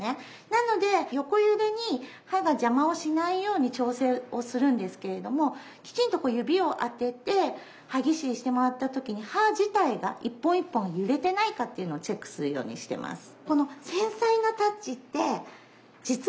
なので横揺れに歯が邪魔をしないように調整をするんですけれどもきちんとこう指を当てて歯ぎしりしてもらった時に歯自体が一本一本揺れてないかっていうのをチェックするようにしてます。